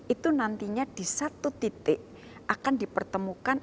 itu nantinya di satu titik akan dipertemukan